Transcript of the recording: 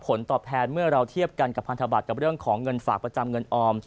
ผลตอบแทนเมื่อเราเทียบกันกับพันธบัตรกับเรื่องของเงินฝากประจำเงินออม